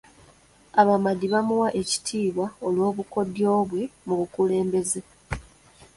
Abamadi baamuwa ekitiibwa olw'obukodyo bwe mu bukulembeze.